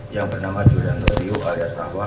yang bernama julianto tio alias ahwa